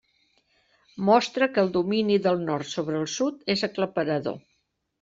Mostra que el domini del Nord sobre el Sud és aclaparador.